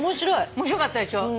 面白かったでしょ。